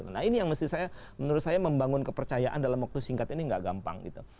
nah ini yang menurut saya membangun kepercayaan dalam waktu singkat ini gak gampang gitu